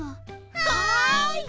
はい！